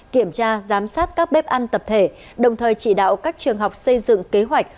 kiểm tra giám sát các bếp ăn tập thể đồng thời chỉ đạo các trường học xây dựng kế hoạch